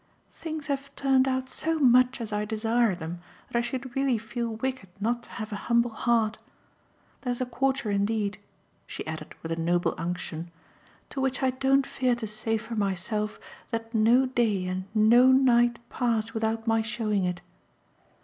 "Things have turned out so much as I desire them that I should really feel wicked not to have a humble heart. There's a quarter indeed," she added with a noble unction, "to which I don't fear to say for myself that no day and no night pass without my showing it.